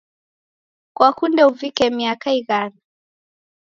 Kwakunde uvike miaka ighana?